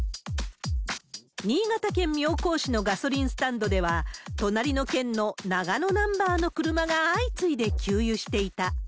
新潟県妙高市のガソリンスタンドでは、隣の県の長野ナンバーの車が相次いで給油していた。